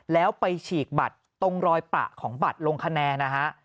แล้วไปฉีกบัตรตรงรอยประของบัตรลงคะแนนนะฮะ